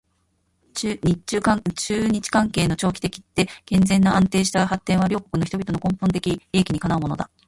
中日関係の長期的で健全な安定した発展は両国の人々の根本的利益にかなうものだ